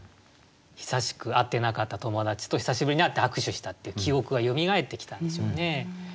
久しく会ってなかった友達と久しぶりに会って握手したっていう記憶がよみがえってきたんでしょうね。